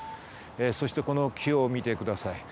そしてこの木を見てください。